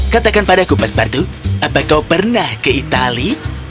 katakan padaku pastor patu apa kau pernah ke itali